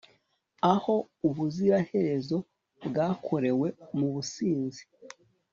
aho ubuziraherezo bwakorewe mubusinzi